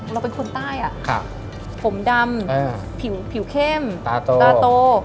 เราเป็นคนใต้ผมดำผิวเข้มตาโต